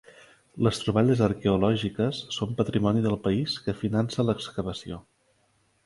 Les troballes arqueològiques són patrimoni del país que finança l'excavació.